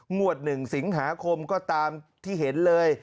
คำสร้างวันหน้าหาคมก็ตามที่เห็นเลย